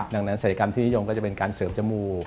ดังนั้นศัยกรรมที่นิยมก็จะเป็นการเสริมจมูก